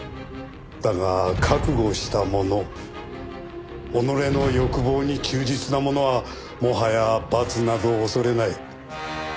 だが覚悟した者己の欲望に忠実な者はもはや罰など恐れない。